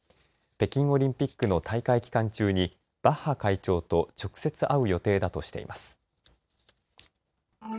北京オリンピックの大会期間中にバッハ会長と直接会う予定だとしています。